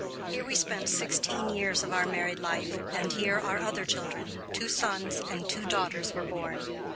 Here we spent sixteen years of our married life, and here our other children two sons and two daughters were born.